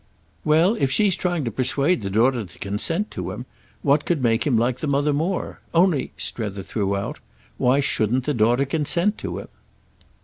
"Well, if she's trying to persuade the daughter to consent to him, what could make him like the mother more? Only," Strether threw out, "why shouldn't the daughter consent to him?"